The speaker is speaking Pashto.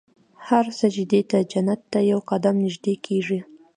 هر سجدې ته جنت ته یو قدم نژدې کېږي.